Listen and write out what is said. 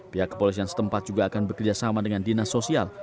pihak kepolisian setempat juga akan bekerjasama dengan dinas sosial